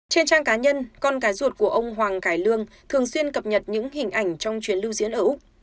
trên trang cá nhân con gái ruột của ông hoàng cải lương thường xuyên cập nhật những hình ảnh trong chuyến lưu diễn ở úc